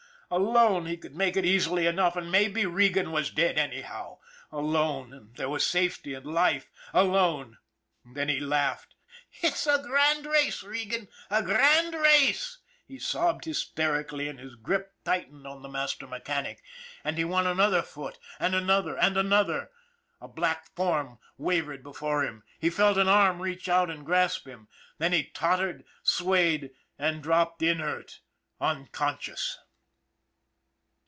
Alone he could make it easily enough and maybe Regan was dead anyhow, alone and there was safety and life, alone then he laughed. " It's a grand race, Regan, a grand race," he sobbed hysterically, and his grip tightened on the THE BLOOD OF KINGS 209 master mechanic, and he won another foot and another and another. A black form wavered before him, he felt an arm reach out and grasp him then he tottered, swayed, and dropped inert, unconscious.